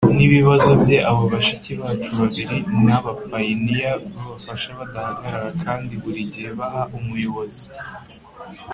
N ibibazo bye abo bashiki bacu babiri ni abapayiniya b abafasha badahagarara kandi buri gihe baha umuyobozi